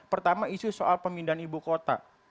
pertama isu soal pemindahan ibu kota